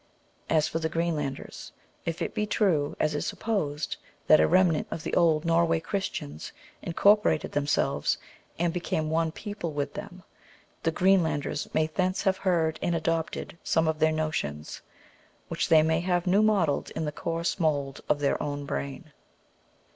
As for the Greenlanders, if it be true, as is supposed, that a remnant of the old Norway Christians incorporated themselves and became one people with them, the Greenlanders may thence have heard and adopted some of their notions, which they may have new modeled in the coarse mould of their own brain."